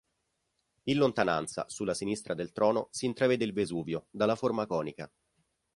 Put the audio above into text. In lontananza, sulla sinistra del trono, si intravede il Vesuvio dalla forma conica.